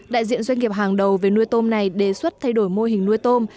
đại diện doanh nghiệp hàng đầu về nuôi tôm này đề xuất thay đổi mô hình nuôi tôm